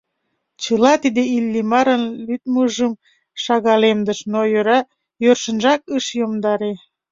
Чыла тиде Иллимарын лӱдмыжым шагалемдыш, но йӧршынжак ыш йомдаре.